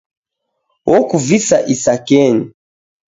Okuvisa isakenyi.